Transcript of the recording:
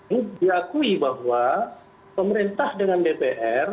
ini diakui bahwa pemerintah dengan dpr